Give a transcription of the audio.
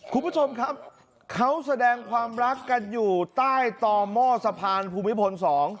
คุณผู้ชมครับเขาแสดงความรักกันอยู่ใต้ต่อหม้อสะพานภูมิพล๒